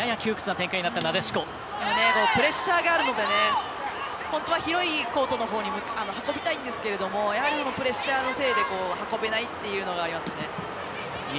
プレッシャーがあるのが本当は広いコートのほうに運びたいんですがプレッシャーのせいで運べないというのがありますね。